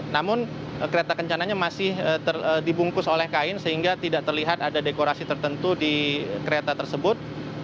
namun kereta kencananya masih dibungkus oleh kain sehingga tidak terlihat ada dekorasi tertentu di kereta tersebut